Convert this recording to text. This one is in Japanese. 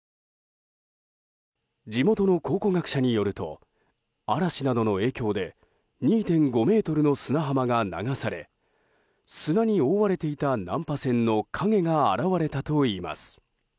地元の考古学者によると嵐などの影響で２．５ｍの砂浜が流され砂に覆われていた難破船の影が現れたといいます。